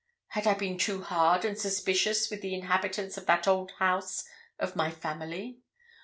Had I been too hard and suspicious with the inhabitants of that old house of my family?